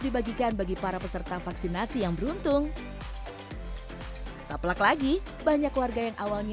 dibagikan bagi para peserta vaksinasi yang beruntung tak pelak lagi banyak warga yang awalnya